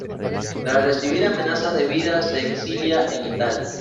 Tras recibir amenazas de vida, se exilia en Italia.